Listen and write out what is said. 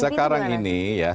sekarang ini ya